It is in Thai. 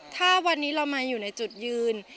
ถ้าวันนี้เรามาอยู่ในจุดยืน